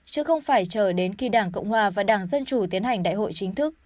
chứ không phải chờ đến khi đảng cộng hòa và đảng dân chủ tiến hành đại hội chính thức